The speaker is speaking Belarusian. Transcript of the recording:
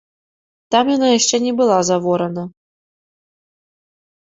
Там яна яшчэ не была заворана.